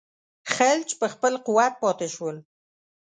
خلج په خپل قوت پاته شول.